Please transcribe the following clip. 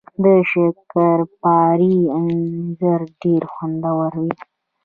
د شکرپارې انځر ډیر خوندور وي